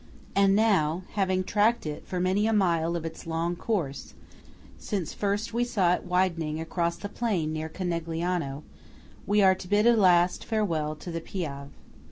And now, having tracked it for many a mile of its long course since first we saw it widening across the plain near Conegliano, we are to bid a last farewell to the Piave.